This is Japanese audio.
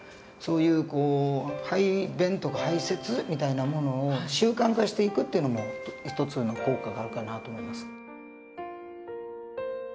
そういう排便とか排泄みたいなものを習慣化していくっていうのも一つの効果があるかなと思います。